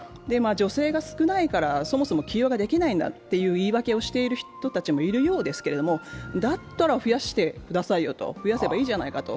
女性が少ないから、そもそも起用ができないんだという言い訳をしている人たちもいるようですけど、だったら増やしてくださいよと、増やせばいいじゃないかと。